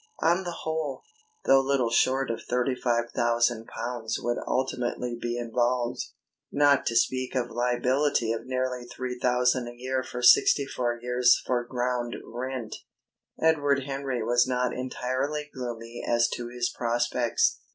On the whole, though little short of thirty five thousand pounds would ultimately be involved, not to speak of liability of nearly three thousand a year for sixty four years for ground rent, Edward Henry was not entirely gloomy as to his prospects.